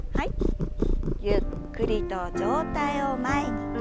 ゆっくりと上体を前に。